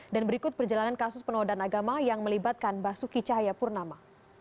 dan berikut perjalanan kasus penodaan agama yang melibatkan basuki cahaya purnama